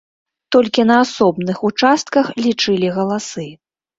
Толькі на асобных участках лічылі галасы.